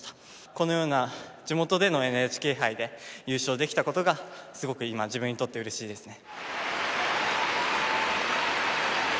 このような地元でのＮＨＫ杯で優勝できたことがすごく今自分にとってうれしいですね。